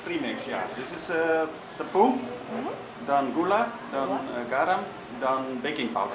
premix ya this is tepung dan gula dan garam dan baking powder